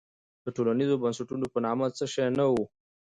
د ټولنیزو بنسټونو په نامه څه شی نه وو.